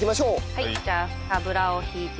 はいじゃあ油を引いて頂いて。